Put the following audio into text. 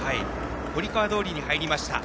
堀川通に入りました。